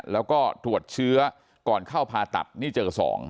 แล้วก็ตรวจเชื้อก่อนเข้าผ่าตัดนี่เจอ๒